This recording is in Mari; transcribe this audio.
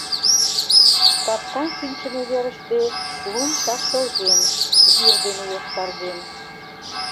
Капкан шинчыме верыште лум таптылген, вӱр дене йошкарген.